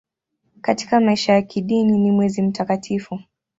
Katika maisha ya kidini ni mwezi mtakatifu.